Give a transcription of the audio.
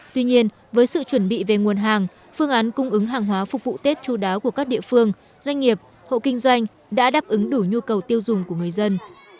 tuy nhiên với sự chuẩn bị về nguồn hàng phương án cung ứng hàng hóa phục vụ tết chú đáo của các địa phương doanh nghiệp hộ kinh doanh đã đáp ứng đủ nhu cầu tiêu dùng của người dân